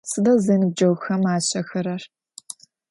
Сыда зэныбджэгъухэм ашӏэхэрэр?